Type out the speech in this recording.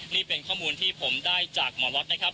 นี่เป็นข้อมูลที่ผมได้จากหมอล็อตนะครับ